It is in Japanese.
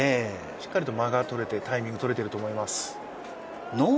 しっかりと間が取れてタイミングが取れていると思います。